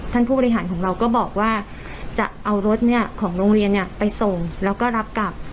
ผู้บริหารของเราก็บอกว่าจะเอารถของโรงเรียนไปส่งแล้วก็รับกลับ